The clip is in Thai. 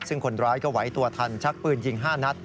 ซึ่งคนร้ายก็ไหวตัวทันชักปืนยิง๕นัด